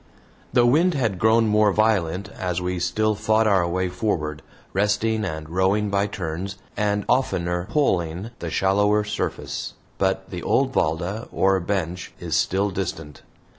The wind had grown more violent as we still fought our way forward, resting and rowing by turns, and oftener "poling" the shallower surface, but the old VALDA, or bench, is still distant.